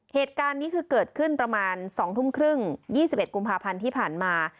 เหตุการณ์นี้คือเกิดขึ้นประมาณ๒ทุ่มครึ่ง๒๑กุมภาพันธ์ที่ผ่านมา